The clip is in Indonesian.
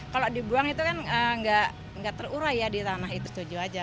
kalau dibuang itu kan nggak terurai ya di tanah itu setuju aja